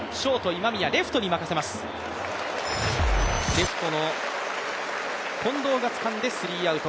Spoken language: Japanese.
レフトの近藤がつかんでスリーアウト。